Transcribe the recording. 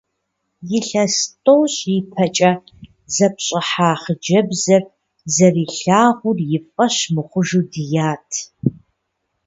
Илъэс тӏощӏ ипэкӏэ зэпщӏыхьа хъыджэбзыр зэрилъагъур и фӏэщ мыхъужу дият.